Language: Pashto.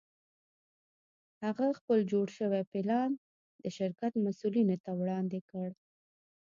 هغه خپل جوړ شوی پلان د شرکت مسوولینو ته وړاندې کړ